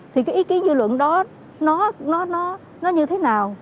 thì cái ý kiến dư luận đó nó như thế nào